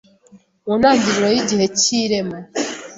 mu ntangiriro y’igihe cy’irema,